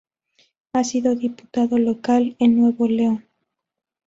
Ha sido diputado local en Nuevo León.